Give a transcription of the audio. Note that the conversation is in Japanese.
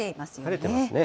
晴れてますね。